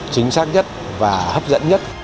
chính xác nhất và hấp dẫn nhất